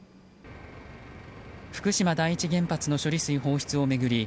福島第一原発の処理水放出を巡り